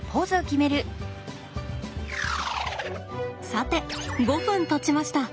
さて５分たちました。